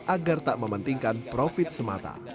agar tak mementingkan profit semata